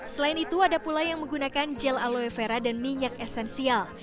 selain itu ada pula yang menggunakan gel aloe vera dan minyak esensial